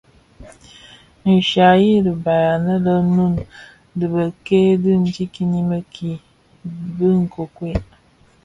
Nshyayèn dhibaï ane lè Noun dhi bikei bi ndikinimiki bi nkokuel.